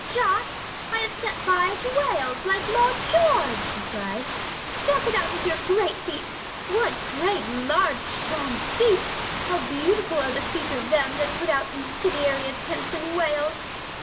"Jack, I have set fire to Wales, like Lloyd George," she cried. "Stamp on it with your great feet. What great large strong feet! How beautiful are the feet of them that put out incendiary attempts in Wales!